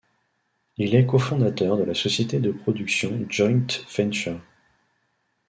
Il est co-fondateur de la société de production Dschoint Ventschr.